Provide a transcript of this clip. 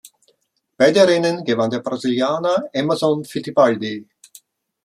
Beide Rennen gewann der Brasilianer Emerson Fittipaldi.